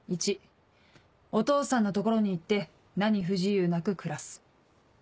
１お父さんの所に行って何不自由なく暮らす。